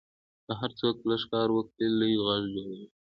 که هر څوک لږ کار وکړي، لوی غږ جوړېږي.